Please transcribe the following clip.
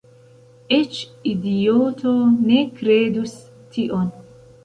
Eĉ idioto ne kredus tion."